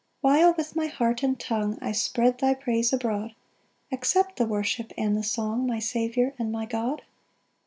8 While with my heart and tongue I spread thy praise abroad, Accept the worship and the song, My Saviour and my God.